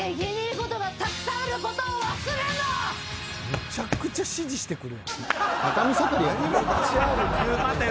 めちゃくちゃ指示してくる。